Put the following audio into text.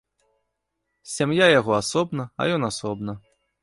Сям'я яго асобна, а ён асобна.